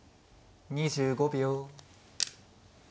２５秒。